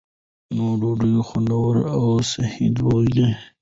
نوې ډوډۍ خوندوره او صحي دواړه ده.